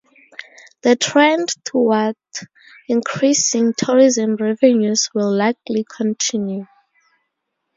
The trend toward increasing tourism revenues will likely continue.